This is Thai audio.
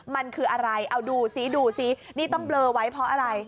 มันคืออะไรเอาดูซิดูซินี่ต้องเบลอไว้เพราะอะไร